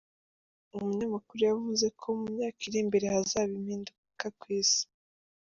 Umunyamakuru yavuze ko mu myaka iri imbere hazaba impinduka ku isi.